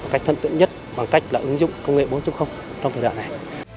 cách thân tượng nhất bằng cách là ứng dụng công nghệ bốn trong thời đoạn này